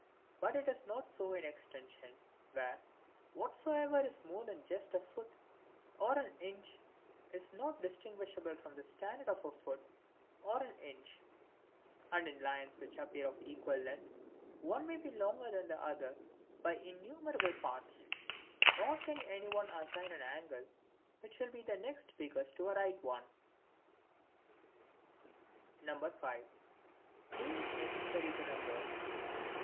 But it is not so in extension, where, whatsoever is more than just a foot or an inch, is not distinguishable from the standard of a foot or an inch; and in lines which appear of an equal length, one may be longer than the other by innumerable parts: nor can any one assign an angle, which shall be the next biggest to a right one. 5. Names necessary to Numbers.